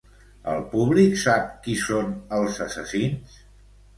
El públic sap qui són els assassins?